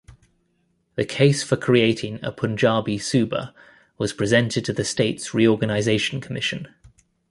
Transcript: The case for creating a Punjabi Suba was presented to the States Reorganisation Commission.